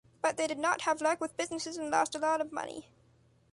But they did not have luck with businesses and lost a lot of money.